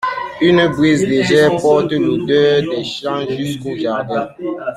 Une brise légère porte l’odeur des champs jusqu’au jardin.